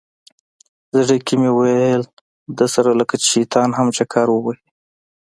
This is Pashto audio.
زړه کې مې ویل ده سره لکه چې شیطان هم چکر ووهي.